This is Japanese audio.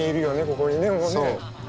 ここにねもうね。